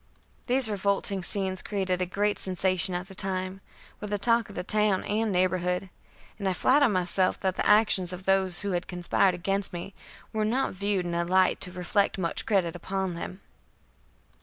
These revolting scenes created a great sensation at the time, were the talk of the town and neighborhood, and I flatter myself that the actions of those who had conspired against me were not viewed in a light to reflect much credit upon them.